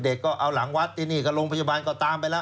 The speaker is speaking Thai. ก็เอาหลังวัดที่นี่ก็โรงพยาบาลก็ตามไปแล้ว